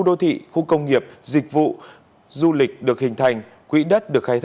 đội y tế vừa ban hành quy định mới